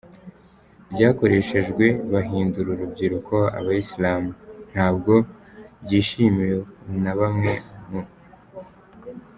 ryakoreshejwe bahindura urubyiruko abayisilamu, ntabwo byishimiwe na bamwe mu.